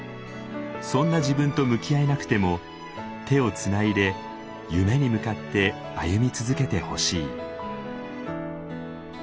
そんな自分と向き合えなくても手をつないで夢に向かって歩み続けてほしい。